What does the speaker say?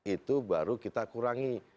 itu baru kita kurangi